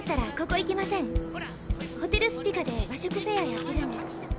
ホテルスピカで和食フェアーやってるんです。